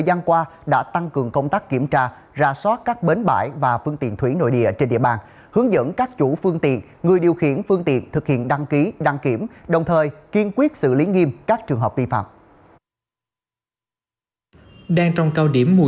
đang trong cao điểm mùa du lịch du khách đến tham quan ngọn hái đăng mũi điện cây gà